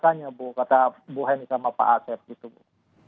tanya bu kata bu heni sama pak asep gitu bu